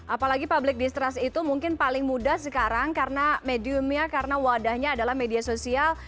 apalagi public distrust itu mungkin paling mudah sekarang karena mediumnya karena wadahnya adalah media sosial